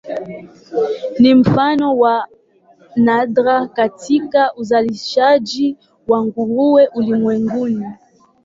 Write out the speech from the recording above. Ni mfano wa nadra katika uzalishaji wa nguruwe ulimwenguni.